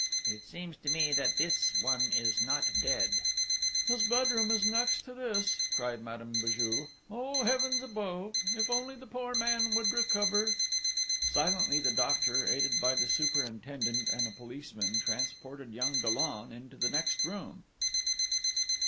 'It seems to me that this one is not dead.' 'His bedroom is next to this!' cried Madame Béju. 'Oh, heavens above! If only the poor young man would recover!' Silently the doctor, aided by the superintendent and a policeman, transported young Dollon into the next room.